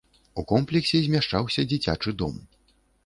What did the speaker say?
У комплексе змяшчаўся дзіцячы дом.